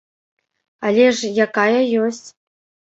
Але ж якая ёсць.